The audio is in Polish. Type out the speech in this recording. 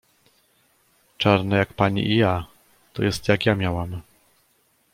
"Czarne jak pani i ja, to jest jak ja miałam."